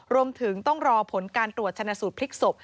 รวมถึงต้องรอผลการตรวจชนะสูตรพลิกศพ